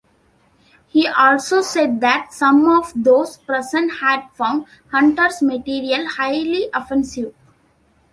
He also said that some of those present had found Hunter's material "highly offensive".